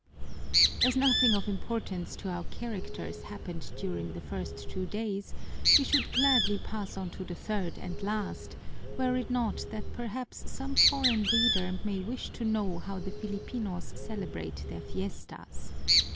As nothing of importance to our characters happened during the first two days, we should gladly pass on to the third and last, were it not that perhaps some foreign reader may wish to know how the Filipinos celebrate their fiestas.